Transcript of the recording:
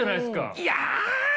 いや。